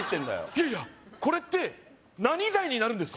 いやいやこれって何罪になるんですか？